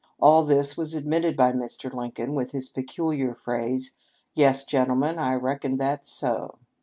All this was admitted by Mr. Lincoln, with his peculiar phrase, ' Yes, gentlemen, I reckon that's so.'